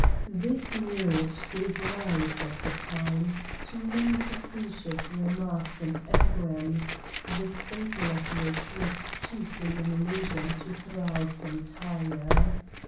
This marriage gave rise, at the time, to many facetious remarks and epigrams, the staple of which was chiefly an allusion to " Thrale's Entire."